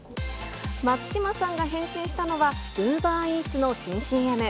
松嶋さんが変身したのはウーバーイーツの新ＣＭ。